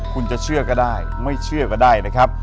คุณจะเชื่อก็ได้ไม่เชื่อก็ได้นะครับ